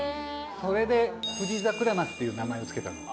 それで富士桜鱒っていう名前を付けた。